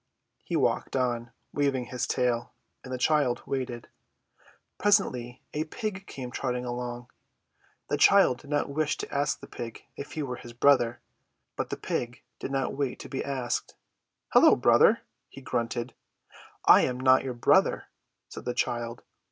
He walked on, waving his tail, and the child waited. Presently a pig came trotting along. The child did not wish to ask the pig if he were his brother, but the pig did not wait to be asked. "Hallo, brother!" he grunted. "I am not your brother!" said the child.